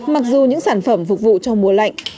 mặc dù những sản phẩm phục vụ cho mùa lạnh